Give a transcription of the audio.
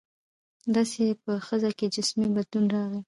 داسې په ښځه کې جسمي بدلون راغى.